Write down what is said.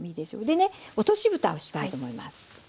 でね落としぶたをしたいと思います。